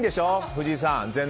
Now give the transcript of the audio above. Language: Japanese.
藤井さん。